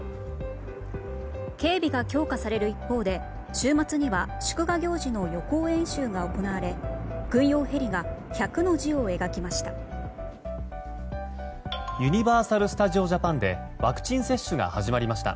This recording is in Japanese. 警備が強化される一方で週末には祝賀行事の予行演習が行われ軍用ヘリが「１００」の字を描きました。